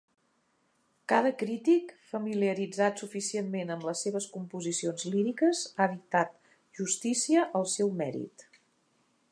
Cada crític familiaritzat suficientment amb les seves composicions líriques ha dictat justícia al seu mèrit.